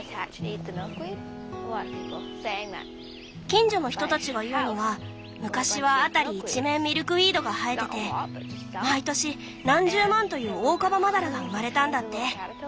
近所の人たちが言うのは昔は辺り一面ミルクウィードが生えてて毎年何十万というオオカバマダラが生まれたんだって。